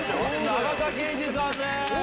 永田慶次さんです。